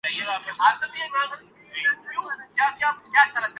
قانون اور ضابطے کے مطابق کام ہوتے۔